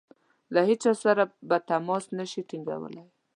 له هیچا سره به تماس نه شي ټینګولای.